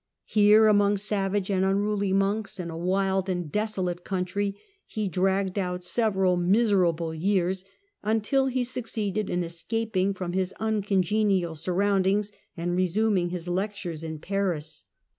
Here, amidst savage and unruly monks, in a wild and desolate country, he dragged out several miserable years, until he succeeded in escaping from his uncongenial surroundings and resuming his leetures in Paris.